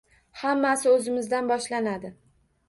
Hammasi oʻzimizdan boshlanadi.